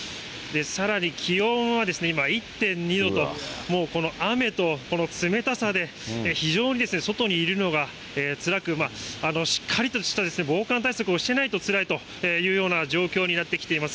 さらに気温は今、１．２度と、もうこの雨と、この冷たさで、非常に外にいるのがつらく、しっかりとした防寒対策をしてないとつらいというような状況になってきています。